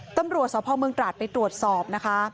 ตำรวจสพเมืองตราดไปตรวจสอบนะคะ